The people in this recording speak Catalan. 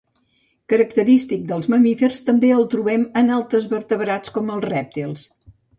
Característic dels mamífers, també el trobem en altres vertebrats com els rèptils.